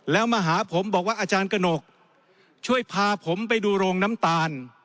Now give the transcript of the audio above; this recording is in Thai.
แล้วมาหาผมบอกว่าอาจารย์กระหนกช่วยพาผมไปดูโรงน้ำตาล